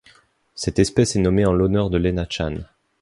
Cette espèce est nommée en l'honneur de Lena Chan.